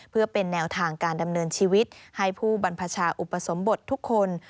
เพื่อเป็นแนวทางการดำเนินชีวิตให้ผู้บรรพชาอุปสมบททุกคน